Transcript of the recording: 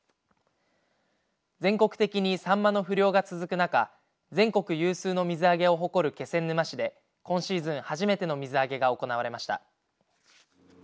全国的にさんまの不漁が続く中全国有数の水揚げを誇る気仙沼市で今シーズン初めての水揚げが行われました。